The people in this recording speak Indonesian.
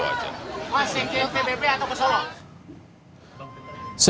wah sekian ppp atau pesoro